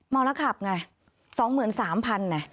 มองแล้วขับไง๒๓๐๐๐เนี่ย